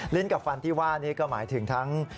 กับฟันที่ว่านี้ก็หมายถึงทั้ง